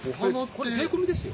これ税込みですよ。